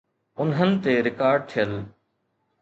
انهن تي رڪارڊ ٿيل.